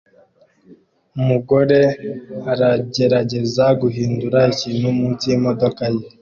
Umugore aragerageza guhindura ikintu munsi yimodoka ye